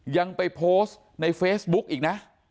ยังไปโพสต์ในเฟซบุ๊กอีกนะ